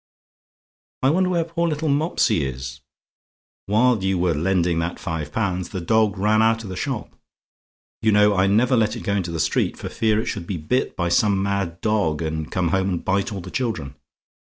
"I wonder where poor little Mopsy is! While you were lending that five pounds, the dog ran out of the shop. You know, I never let it go into the street, for fear it should be bit by some mad dog, and come home and bite all the children.